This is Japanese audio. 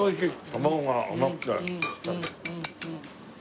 卵が甘くて。